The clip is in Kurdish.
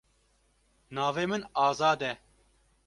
Navê min Azad e.